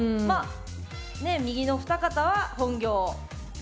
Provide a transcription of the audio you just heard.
右のお二方は本業。